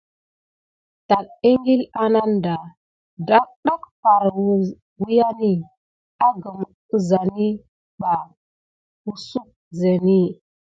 Taki ekile anada dak far wuyani akum ezane ba kusuh zene.